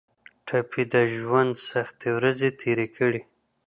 ټپي د ژوند سختې ورځې تېرې کړي.